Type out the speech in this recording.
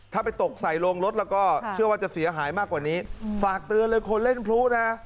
ถ้าไปตกใส่โรงรถแล้วก็เชื่อว่าจะเสียหายมากกว่านี้ฝากเตือนเลยคนเล่นพลุนะ